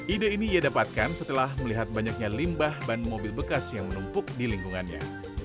ide ini ia dapatkan setelah melihat banyaknya limbah ban mobil bekas yang menumpuk di lingkungannya